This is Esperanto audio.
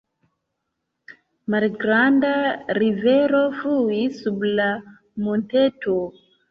Malgranda rivero fluis sub la monteto.